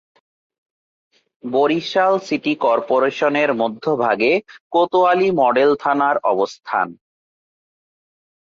Barishal city কর্পোরেশনের মধ্যভাগে Kotwali model থানার অবস্থান।